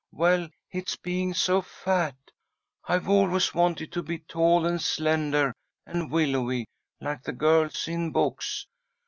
"Well, it's being so fat! I've always wanted to be tall and slender and willowy, like the girls in books.